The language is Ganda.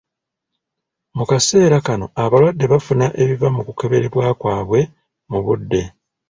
Mu kaseera kano, abalwadde bafuna ebiva mu kukeberebwa kwaabwe mu budde.